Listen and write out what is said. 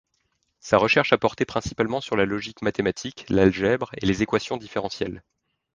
Sa recherche a porté principalement sur la logique mathématique, l'algèbre et les équations différentielles.